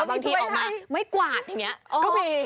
บางทีออกมาไม้กวาดอย่างนี้ก็มี